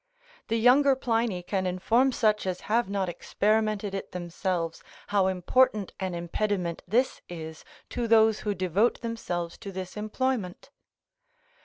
The younger Pliny can inform such as have not experimented it themselves, how important an impediment this is to those who devote themselves to this employment.